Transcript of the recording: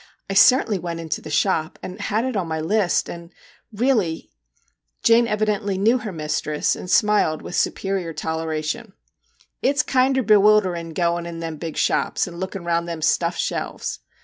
I certainly went into the shop, and had it on my list and really ' Jane evidently knew her mistress, and smiled with superior toleration :' It 's kinder bewilderin' goin' in them big shops, and lookin' round them stuffed shelves.'